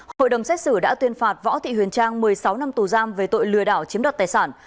hội đồng xét xử đã tuyên phạt võ thị huyền trang một mươi sáu năm tù giam về tội lừa đảo chiếm đoạt tài sản